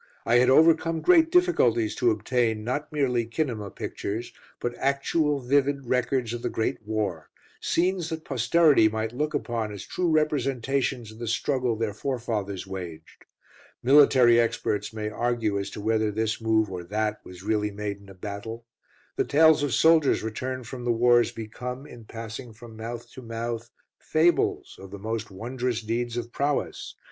I had overcome great difficulties to obtain not merely kinema pictures, but actual vivid records of the Great War, scenes that posterity might look upon as true representations of the struggle their forefathers waged. Military experts may argue as to whether this move or that was really made in a battle: the tales of soldiers returned from the wars become, in passing from mouth to mouth, fables of the most wondrous deeds of prowess.